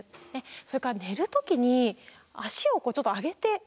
それから寝る時に脚をこうちょっと上げて寝る。